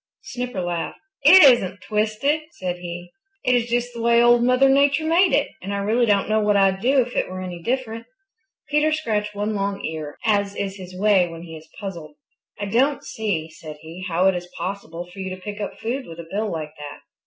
Snipper laughed. "It isn't twisted," said he. "It is just the way Old Mother Nature made it, and I really don't know what I'd do if it were any different." Peter scratched one long ear, as is his way when he is puzzled. "I don't see," said he, "how it is possible for you to pick up food with a bill like that."